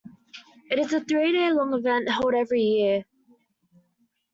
It is a three-day-long event held every year.